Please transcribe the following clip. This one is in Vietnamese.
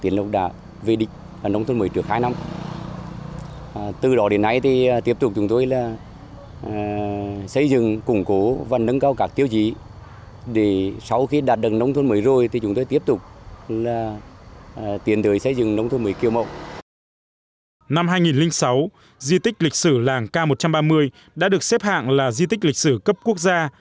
năm hai nghìn sáu di tích lịch sử làng k một trăm ba mươi đã được xếp hạng là di tích lịch sử cấp quốc gia